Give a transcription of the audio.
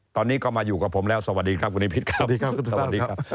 ตอนนี้ก็มาอยู่กับผมแล้วสวัสดีครับคุณนิพิษครับ